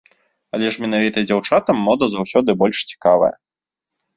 Але ж менавіта дзяўчатам мода заўсёды больш цікавая.